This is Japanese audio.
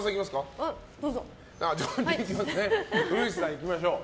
古市さん、いきましょう。